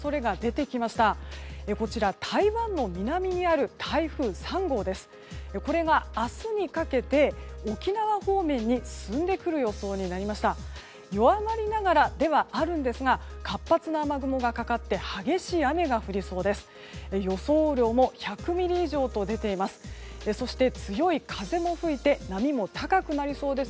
弱まりながらではあるんですが活発な雨雲がかかって激しい雨が降りそうです。